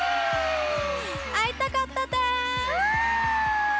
会いたかったです！